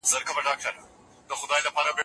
همدا اوس پریکړه وکړئ.